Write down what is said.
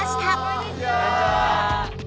こんにちは！